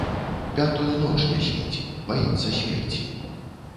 Пятую ноч не спіць, баіцца смерці.